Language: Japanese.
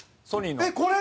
えっこれ？